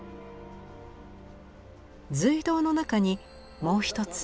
隧道の中にもう一つ